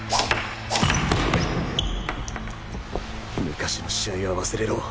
昔の試合は忘れろ。